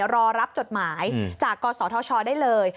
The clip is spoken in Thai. รอรับจดหมายจากกศธชได้เลย